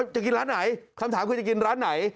จะกินร้านไหนคำถามคือจะกินร้านไหน